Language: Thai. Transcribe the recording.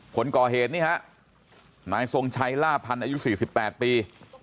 คนก่อเหตุนี่ฮะนายทรงชัยล่าพันธ์อายุ๔๘ปี